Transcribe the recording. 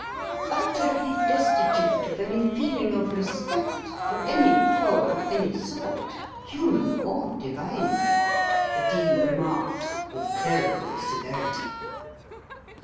"Utterly destitute of any feeling of respect for any power of any sort, human or divine," the Dean remarked, with clerical severity.